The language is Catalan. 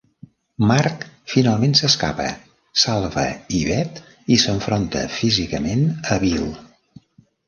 Mark finalment s'escapa, salva Yvette i s'enfronta físicament a Bill.